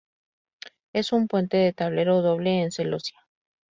Es un puente de tablero doble en celosía.